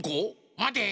まて！